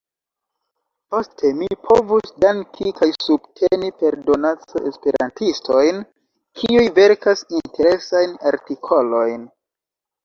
Poste mi povus danki kaj subteni per donaco esperantistojn kiuj verkas interesajn artikolojn.